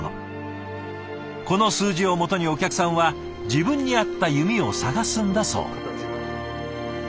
この数字をもとにお客さんは自分に合った弓を探すんだそう。